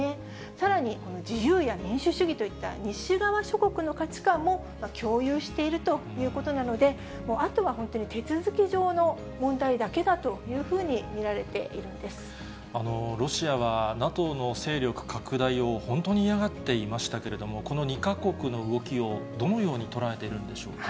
さらに、自由や民主主義といった西側諸国の価値観も共有しているということなので、あとは本当に手続き上の問題だけだというふうに見られロシアは、ＮＡＴＯの勢力拡大を本当に嫌がっていましたけれども、この２か国の動きをどのように捉えているんでしょうか。